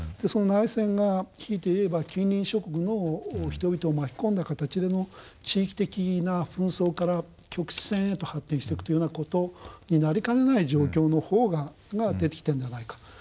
その内戦がひいては近隣諸国の人々を巻き込んだ形での地域的な紛争から局地戦へと発展していくというような事になりかねない状況の萌芽が出てきているのではないか。